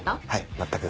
全く。